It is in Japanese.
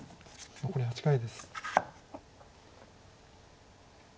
残り８回です。